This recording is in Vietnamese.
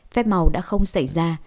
phép màu đã không xảy ra